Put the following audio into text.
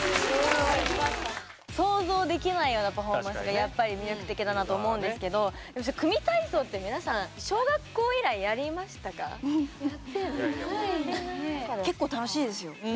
想像できないようなパフォーマンスがやっぱり魅力的だなと思うんですけどやってないですね。